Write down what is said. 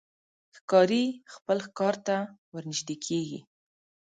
ښکاري خپل ښکار ته ورنژدې کېږي.